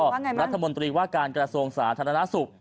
ว่าไงมั้ยรัฐมนตรีว่าการกระทรวงสาธารณสุข